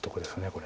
これ。